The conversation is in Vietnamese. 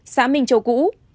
xã minh châu cũ